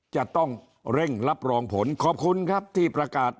จะต้องเร่งรับรองผลขอบคุณครับที่ประกาศ